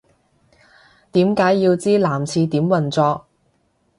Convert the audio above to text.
點解要知男廁點運作